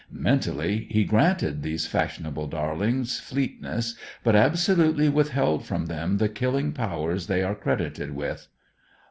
Mentally, he granted these fashionable darlings fleetness, but absolutely withheld from them the killing powers they are credited with.